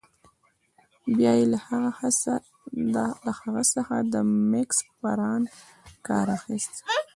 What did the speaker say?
بیا يې له هغه څخه د مګس پران کار اخیست.